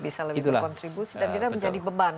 dan tidak menjadi beban